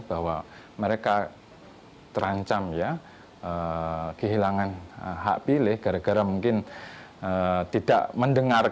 bahwa mereka terancam ya kehilangan hak pilih gara gara mungkin tidak mendengar